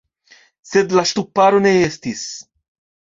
Sed la ŝtuparo ne estis.